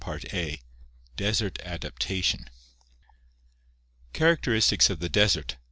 CHAPTER XXIV Desert Adaptation Characteristics of the Desert.